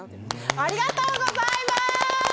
ありがとうございます！